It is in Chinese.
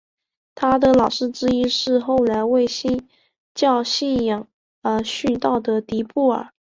他的老师之一是后来为新教信仰而殉道的迪布尔。